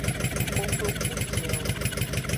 Koklo ku viewo.